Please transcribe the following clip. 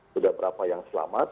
sudah berapa yang selamat